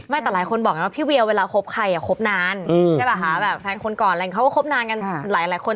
แต่หลายคนบอกนะว่าพี่เวียเวลาคบใครอ่ะคบนานใช่ป่ะคะแบบแฟนคนก่อนอะไรเขาก็คบนานกันหลายคน